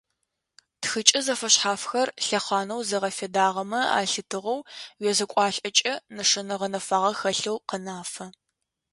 Тхыкӏэ зэфэшъхьафхэр лъэхъанэу загъэфедагъэмэ ялъытыгъэу узекӏуалӏэкӏэ, нэшэнэ гъэнэфагъэ хэлъэу къэнафэ.